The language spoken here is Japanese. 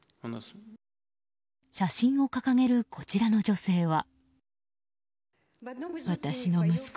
写真を掲げる、こちらの女性は。